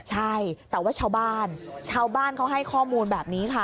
ใช่แต่ว่าชาวบ้านชาวบ้านเขาให้ข้อมูลแบบนี้ค่ะ